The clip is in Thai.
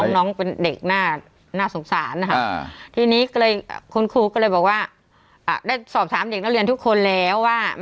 น้องเป็นเด็กน่าสงสารนะคะที่นี้คุณครูก็เลยบอกว่าได้สอบถามถ้าเรียนทุกคนแล้วว่า